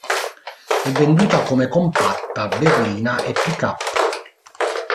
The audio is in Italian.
È venduta come compatta, berlina e pick-up.